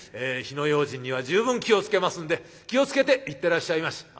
火の用心には十分気を付けますんで気を付けて行ってらっしゃいまし」。